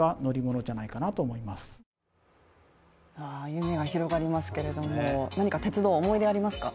夢が広がりますけれども何か鉄道、思い出ありますか？